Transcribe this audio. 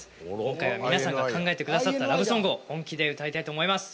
今回は皆さんが考えてくださったラブソングを本気で歌いたいと思います。